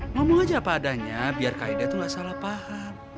ngomong aja apa adanya biar kak aida tuh gak salah paham